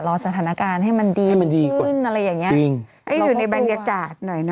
รอสถานการณ์ให้มันดีขึ้นอะไรอย่างนี้เราก็กลัวว่าให้อยู่ในบรรยาจาศหน่อยนะ